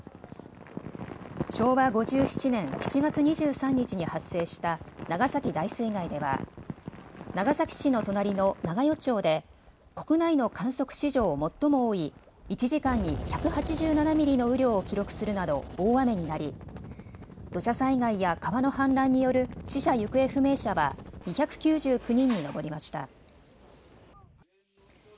昭和５７年７月２３日に発生した長崎大水害では長崎市の隣の長与町で国内の観測史上最も多い１時間に１８７ミリの雨量を記録するなど大雨になり土砂災害や川の氾濫による死者・行方不明者は２９９人に上りました。